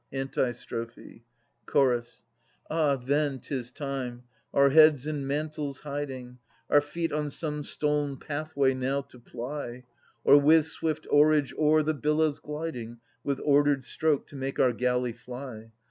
Antistrophe. Ch. Ah! then 'tis time, our heads in mantles hiding, Our feet on some stol'n pathway now to ply, Or with swift oarage o'er the billows gliding. With ordered stroke to make our galley fly.